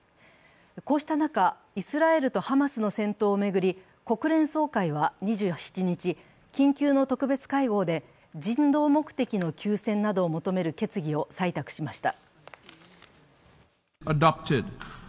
こうした中、イスラエルとハマスの戦闘を巡り国連総会は２７日、緊急の特別会合で人道目的の休戦などを求める決議を採択しました。